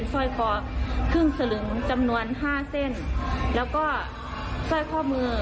สะลึงจำนวนห้าเส้นแล้วก็ซ่อยข้อมือ